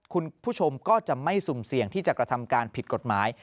คุณผู้ชมก็จะไม่สุ่มเสี่ยงที่จะกระทำการผิดกฎหมาย